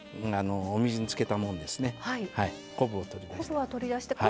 昆布を取り出します。